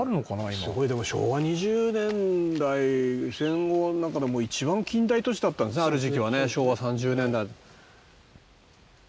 すごいでも昭和２０年代戦後の中でもう一番近代都市だったんですねある時期はね昭和３０年代。